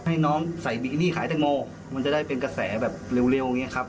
ให้น้องใส่บิกินี่ขายแตงโมมันจะได้เป็นกระแสแบบเร็วอย่างนี้ครับ